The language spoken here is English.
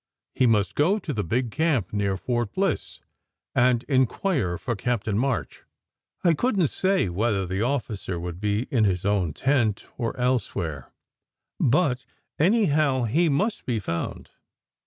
He must go to the big camp near Fort Bliss and inquire for Captain March. I couldn t say whether the officer would be in his own tent or elsewhere, but, anyhow, he must be found.